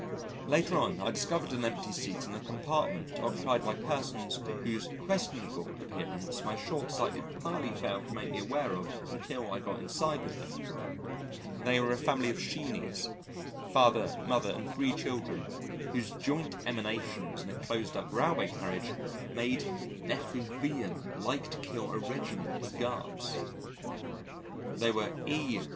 Later on, I discovered an empty seat in a compartment occupied by persons whose questionable appearance my short sight entirely failed to make me aware of until I got inside with them. They were a family of Sheenies, father, mother and three children, whose joint emanations in a closed up railway carriage made an effluvium like to kill a regiment of guards. They were E.